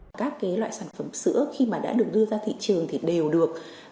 tuy nhiên các loại sản phẩm sữa khi mà đã được đưa ra thị trường thì đều được